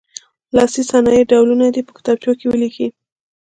د لاسي صنایعو ډولونه دې په کتابچو کې ولیکي.